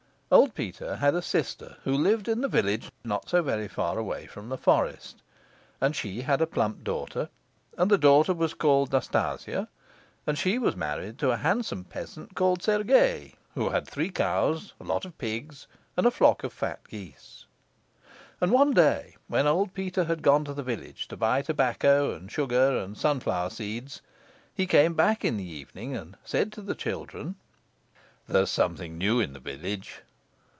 Old Peter had a sister who lived in the village not so very far away from the forest. And she had a plump daughter, and the daughter was called Nastasia, and she was married to a handsome peasant called Sergie, who had three cows, a lot of pigs, and a flock of fat geese. And one day when old Peter had gone to the village to buy tobacco and sugar and sunflower seeds, he came back in the evening, and said to the children, "There's something new in the village."